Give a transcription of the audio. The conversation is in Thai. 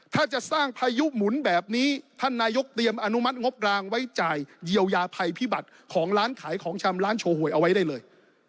ถ้าจะสร้างพายุหมุนแบบนี้ท่านนายกเตรียมอนุมัติงบรางไว้จ่ายเยียวยาภัยพิบัติของร้านขายของชำร้านโชว์หวยเอาไว้ได้เลย